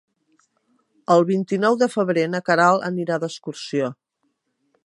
El vint-i-nou de febrer na Queralt anirà d'excursió.